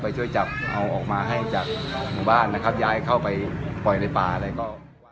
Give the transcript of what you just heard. ช่วยจับเอาออกมาให้จากหมู่บ้านนะครับย้ายเข้าไปปล่อยในป่าอะไรก็